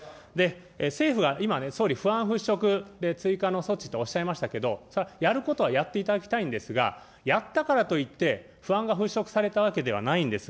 政府は今ね、総理、不安払拭で追加の措置とおっしゃいましたけど、やることはやっていただきたいんですが、やったからといって、不安が払拭されたわけではないんです。